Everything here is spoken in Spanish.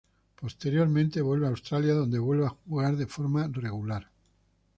Posteriormente vuelve a Australia donde vuelve a jugar de forma regular.